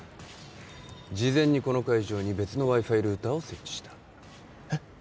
事前にこの会場に別のＷｉ−Ｆｉルーターを設置したえっ？